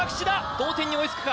同点に追いつくか？